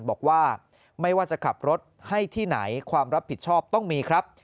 บอกว่าไม่ว่าจะขับรถให้ที่ไหนความรับผิดชอบต้องมีครับ